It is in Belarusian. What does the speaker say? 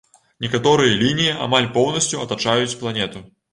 Некаторыя лініі амаль поўнасцю атачаюць планету.